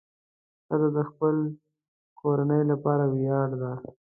ښځه د خپل کورنۍ لپاره ویاړ ده.